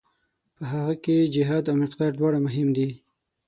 په هغه کې جهت او مقدار دواړه مهم دي.